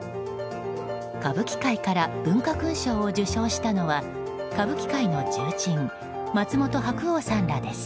歌舞伎界から文化勲章を受章したのは歌舞伎界の重鎮松本白鸚さんらです。